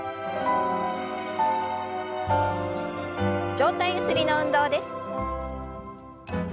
上体ゆすりの運動です。